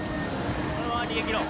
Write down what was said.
このまま逃げ切ろう